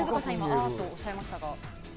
ああっとおっしゃいましたが。